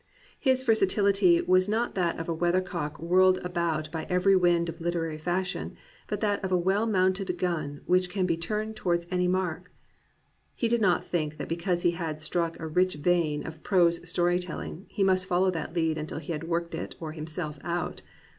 His versatility was not that of a weathercock whirled about by every wind of literary fashion, but that of a well mounted gun which can be turned towards any mark. He did not think that because he had struck a rich vein of prose story telling he must follow that lead until he had worked it or himself out.